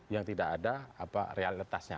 yang tidak ada realitasnya